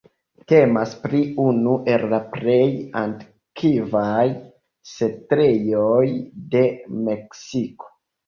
Temas pri unu el la plej antikvaj setlejoj de Meksiko.